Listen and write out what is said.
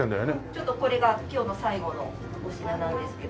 ちょっとこれが今日の最後のお品なんですけど。